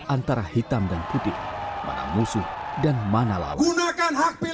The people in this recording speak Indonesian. antara hitam dan putih mana musuh dan mana laut